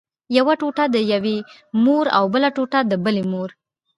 یوه ټوټه د یوې مور او بله ټوټه د بلې مور.